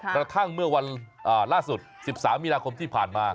กระทั่งเมื่อวันล่าสุด๑๓มีนาคมที่ผ่านมา